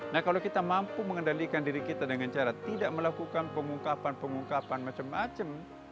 nah kalau kita mampu mengendalikan diri kita dengan cara tidak melakukan pengungkapan pengungkapan macam macam